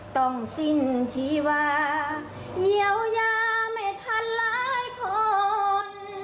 ต้องสิ้นชีวาเยียวยาไม่ทันหลายคน